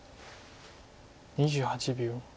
２８秒。